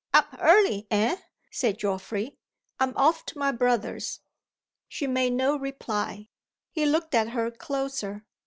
"Up early eh?" said Geoffrey. "I'm off to my brother's." She made no reply. He looked at her closer.